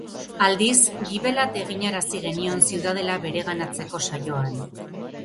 Aldiz, gibelat eginarazi genion ziudadela bereganatzeko saioan.